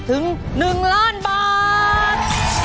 สูงสุดถึง๑ล้านบาท